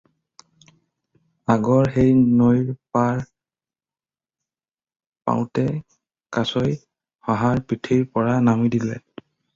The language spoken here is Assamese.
আগৰ সেই নৈৰ পাৰ পাওঁতে কাছই শহাৰ পিঠিৰ পৰা নামি দিলে।